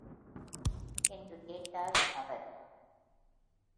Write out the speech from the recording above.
என்று கேட்டார் அவர்.